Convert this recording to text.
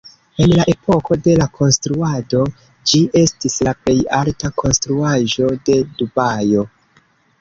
En la epoko de la konstruado, ĝi estis la plej alta konstruaĵo de Dubajo.